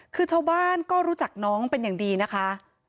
คือชาวบ้านก็รู้จักน้องเป็นอย่างดีนะคะ